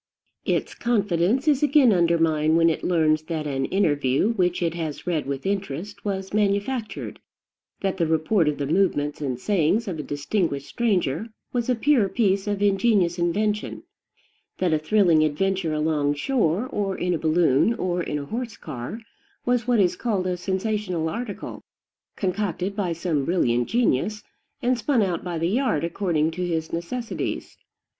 Its confidence is again undermined when it learns that an "interview" which it has read with interest was manufactured; that the report of the movements and sayings of a distinguished stranger was a pure piece of ingenious invention; that a thrilling adventure alongshore, or in a balloon, or in a horse car, was what is called a sensational article, concocted by some brilliant genius, and spun out by the yard according to his necessities.